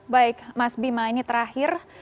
baik mas bima ini terakhir